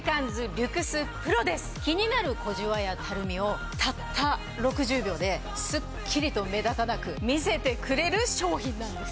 気になる小じわやたるみをたった６０秒でスッキリと目立たなく見せてくれる商品なんです！